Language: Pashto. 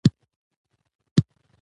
کلتور د افغانستان د طبیعي زیرمو برخه ده.